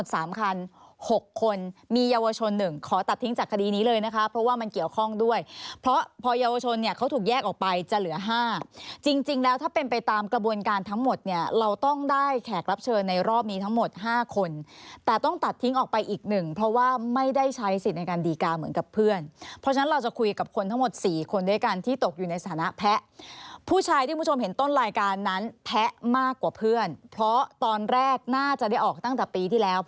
สามคันหกคนมีเยาวชนหนึ่งขอตัดทิ้งจากคดีนี้เลยนะคะเพราะว่ามันเกี่ยวข้องด้วยเพราะพอเยาวชนเนี่ยเขาถูกแยกออกไปจะเหลือห้าจริงแล้วถ้าเป็นไปตามกระบวนการทั้งหมดเนี่ยเราต้องได้แขกรับเชิญในรอบนี้ทั้งหมดห้าคนแต่ต้องตัดทิ้งออกไปอีกหนึ่งเพราะว่าไม่ได้ใช้สิทธิ์ในการดีการเหมือนกับเพื่อนเพรา